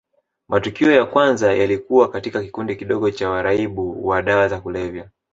Matukio ya kwanza yalikuwa katika kikundi kidogo cha waraibu wa dawa za kulevya